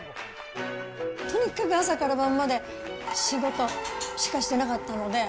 とにかく朝から晩まで仕事しかしてなかったので。